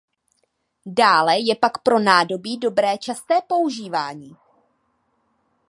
Dále je pak pro nádobí dobré časté používání.